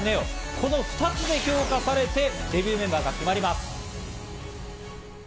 この２つで評価されてデビューメンバーが決まります。